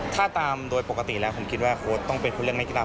ถ้าตามโดยปกติแล้วผมคิดว่าโค้ดต้องเป็นผู้เล่นนักกีฬา